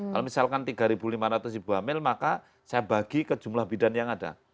kalau misalkan tiga lima ratus ibu hamil maka saya bagi ke jumlah bidan yang ada